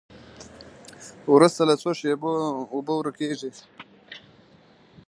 وروسته له څو شېبو اوبه ورکیږي.